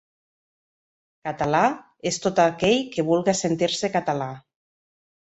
Català és tot aquell que vulga sentir-se català.